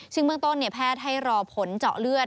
ซึ่งเบื้องต้นแพทย์ให้รอผลเจาะเลือด